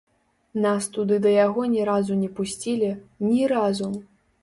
Нас туды да яго ні разу не пусцілі, ні разу.